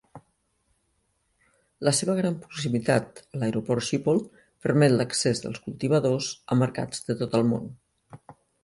La seva gran proximitat a l'Aeroport Schiphol permet l'accés dels cultivadors a mercats de tot el món.